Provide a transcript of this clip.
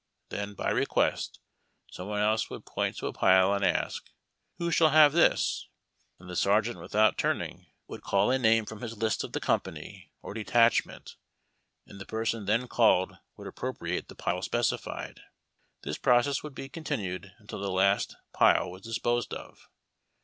Then, by request, some one else would point to a pile and ask, " Who shall have this ?" and the sergeant, without turning, would call a ]iame from his list of the company or detach ment, and the person thus called would appropriate the pile specified. This process would be continued until the last pile was disposed of.